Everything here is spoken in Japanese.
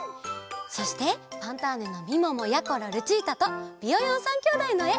そして「ファンターネ！」のみももやころルチータとビヨヨン３きょうだいのえ！